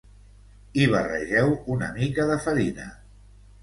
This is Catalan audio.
hi barregeu una mica de farina